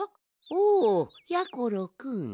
おやころくん。